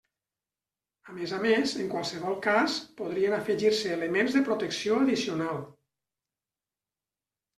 A més a més, en qualsevol cas podrien afegir-se elements de protecció addicional.